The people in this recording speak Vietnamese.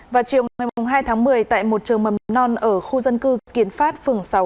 vào chiều ngày hai tháng một mươi tại một trường mầm non ở khu dân cư kiến phát phường sáu thị trường nguyễn thanh sơn